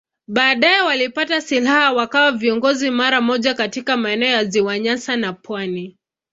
Baadaye walipata silaha wakawa viongozi mara moja katika maeneo ya Ziwa Nyasa na pwani.